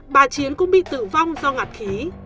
bà chiến cũng bị tử vong do ngạt khí